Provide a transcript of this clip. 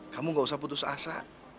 kamu gak usah putus asa